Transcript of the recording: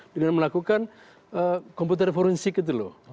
dengan melakukan komputer forensik gitu loh